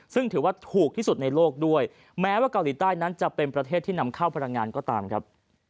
ซึ่งถือว่าถูกที่สุดในโลกด้วยแม้ว่าเกาหลีใต้นั้นจะเป็นประเทศที่นำเข้าพลังงานก็ตามครับ